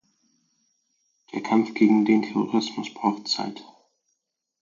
Der Kampf gegen den Terrorismus braucht Zeit.